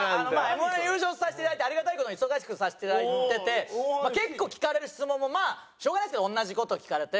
Ｍ−１優勝させていただいてありがたい事に忙しくさせていただいてて結構聞かれる質問もまあしょうがないですけど同じ事聞かれて。